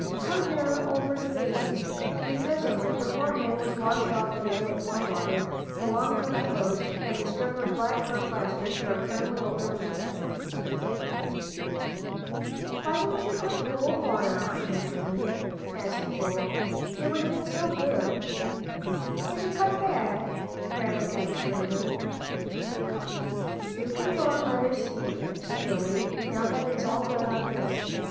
"Come here, over the basin." And presently the poor hand was washed off again with warm water, the long cut closed, and the strip of black court plaster stuck firmly over the wound. "Why don't you put cold water on, Mammy?" asked Joel; "it would feel so good." "Is it cut bad?" Grandma kept screaming. "You can go and let her see it, Joey, now that it's all done up nicely.